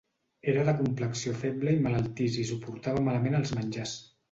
Era de complexió feble i malaltís i suportava malament els menjars.